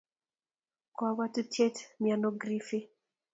Kabwatutiet miano Griffy